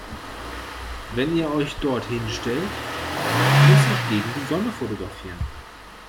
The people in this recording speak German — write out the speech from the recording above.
Wenn ihr euch dort hinstellt, muss ich gegen die Sonne fotografieren.